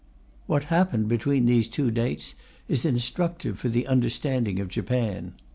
What happened between these two dates is instructive for the understanding of Japan.